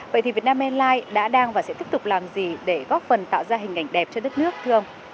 vậy thì vietnam airlines đã đang và sẽ tiếp tục làm gì để góp phần tạo ra hình ảnh đẹp cho đất nước thương